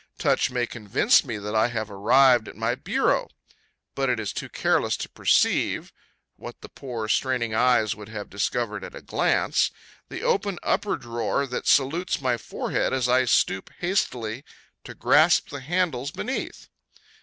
Touch may convince me that I have arrived at my bureau, but it is too careless to perceive (what the poor, straining eyes would have discovered at a glance) the open upper drawer that salutes my forehead as I stoop hastily to grasp the handles beneath.